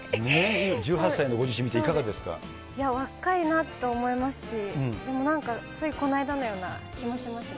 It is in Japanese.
１８歳のご自身見て、いかがいや、若いなと思いますし、でもなんか、ついこの間のような気もしますね。